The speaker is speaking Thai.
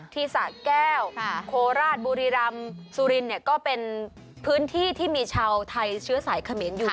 สะแก้วโคราชบุรีรำสุรินเนี่ยก็เป็นพื้นที่ที่มีชาวไทยเชื้อสายเขมรอยู่